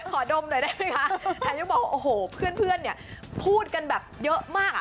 ดมหน่อยได้ไหมคะแต่ยังบอกโอ้โหเพื่อนเนี่ยพูดกันแบบเยอะมากอ่ะ